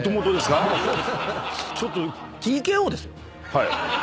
はい。